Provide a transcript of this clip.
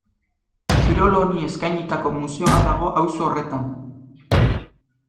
Kirol honi eskainitako museoa dago auzo horretan.